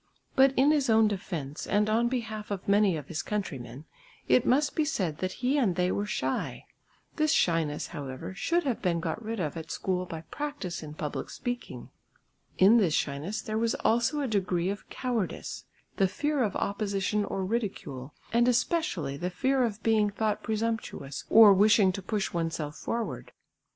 But in his own defence and on behalf of many of his countrymen it must be said that he and they were shy. This shyness, however, should have been got rid of at school by practice in public speaking. In this shyness there was also a degree of cowardice, the fear of opposition or ridicule, and especially the fear of being thought presumptuous or wishing to push oneself forward.